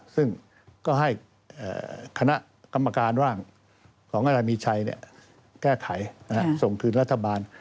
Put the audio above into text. ซึ่งก็ให้คณะกรรมการร่างของอาจารย์มีชัยแก้ไขส่งคืนรัฐบาล